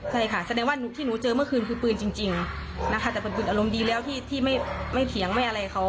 ใช่ค่ะแสดงว่าที่หนูเจอเมื่อคืนคือปืนจริงนะคะแต่เป็นปืนอารมณ์ดีแล้วที่ไม่เถียงไม่อะไรเขา